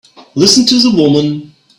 Listen to the woman!